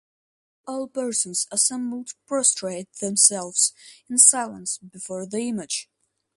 All persons assembled prostrate themselvves in silence before the image.